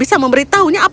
lama kotor otak